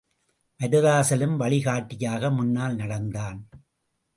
மருதாசலம் வழிகாட்டியாக முன்னால் நடந்தான்.